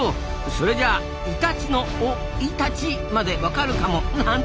それじゃあイタチの生「い立ち」まで分かるかもなんて。